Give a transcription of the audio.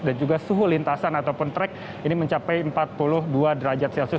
dan juga suhu lintasan ataupun track ini mencapai empat puluh dua derajat celcius